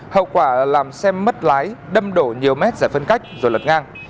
hậu quả làm xe mất lái đâm đổ nhiều mét giải phân cách rồi lật ngang